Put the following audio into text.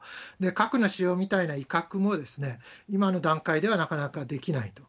核の使用みたいな威嚇も、今の段階ではなかなかできないと。